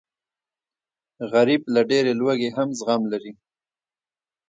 غریب له ډېرې لوږې هم زغم لري